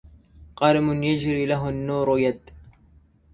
قلم يجري له النور يد